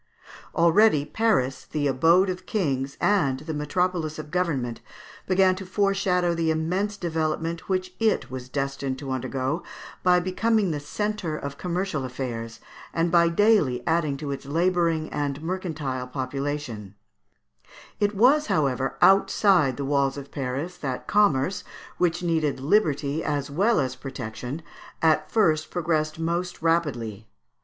Already Paris, the abode of kings, and the metropolis of government, began to foreshadow the immense development which it was destined to undergo, by becoming the centre of commercial affairs, and by daily adding to its labouring and mercantile population (Figs. 195 and 196). It was, however, outside the walls of Paris that commerce, which needed liberty as well as protection, at first progressed most rapidly.